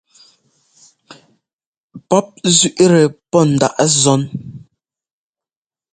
Pɔ́p nzẅíꞌtɛ pɔ́ ndaꞌ zɔ́n.